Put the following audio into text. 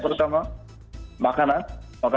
m cierka makanan makanan indonesia